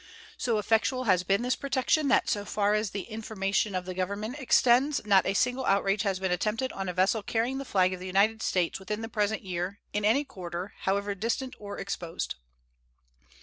So effectual has been this protection that so far as the information of Government extends not a single outrage has been attempted on a vessel carrying the flag of the United States within the present year, in any quarter, however distant or exposed.